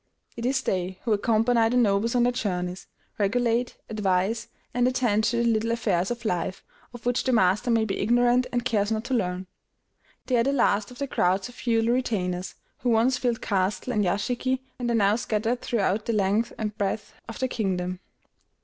It is they who accompany the nobles on their journeys, regulate, advise, and attend to the little affairs of life, of which the master may be ignorant and cares not to learn. They are the last of the crowds of feudal retainers, who once filled castle and yashiki, and are now scattered throughout the length and breadth of the kingdom.